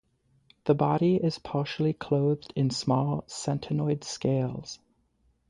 The body is partially clothed in small ctenoid scales.